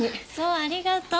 ありがとう。